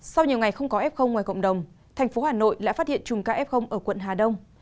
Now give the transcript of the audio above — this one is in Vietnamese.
sau nhiều ngày không có f ngoài cộng đồng thành phố hà nội lại phát hiện chùm k f ở quận hà đông